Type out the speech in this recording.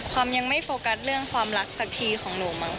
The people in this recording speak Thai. ความยังไม่โฟกัสเรื่องความรักสักทีของหนูมั้ง